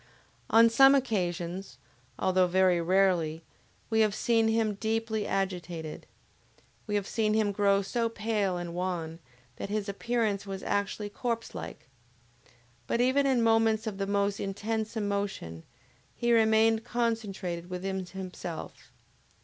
On some occasions, although very rarely, we have seen him deeply agitated. We have seen him grow so pale and wan, that his appearance was actually corpse like. But even in moments of the most intense emotion, he remained concentrated within himself.